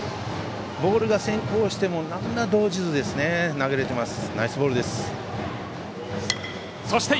ボールが先行してもなんら動じず投げられています。